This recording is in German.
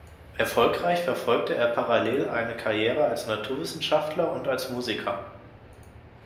Erfolgreich verfolgte er parallel eine Karriere als Naturwissenschaftler und als Musiker.